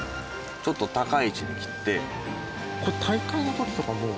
ちょっと高い位置に切って。